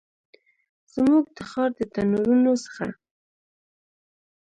زموږ د ښار د تنورونو څخه